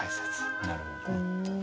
なるほどね。